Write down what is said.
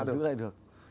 mà giữ lại được